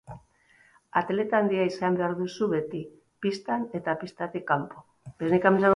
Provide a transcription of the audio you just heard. Atleta handia izan behar duzu beti, pistan eta pistatik kanpo.